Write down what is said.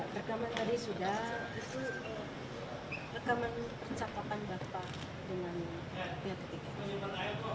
rekaman tadi sudah itu rekaman percakapan bapak dengan pihak ketiga